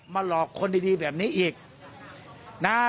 หลอกคนดีแบบนี้อีกนะ